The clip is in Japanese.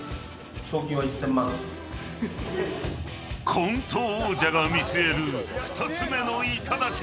コント王者が見据える２つ目の頂。